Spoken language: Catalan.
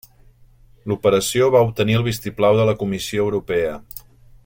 L'operació va obtenir el vistiplau de la Comissió Europea.